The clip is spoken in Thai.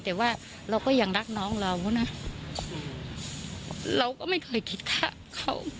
แต่ว่าเราก็ยังรักน้องเรานะเราก็ไม่เคยคิดฆ่าเขา